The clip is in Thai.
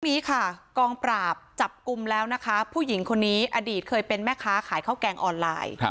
นี้ค่ะกองปราบจับกลุ่มแล้วนะคะผู้หญิงคนนี้อดีตเคยเป็นแม่ค้าขายข้าวแกงออนไลน์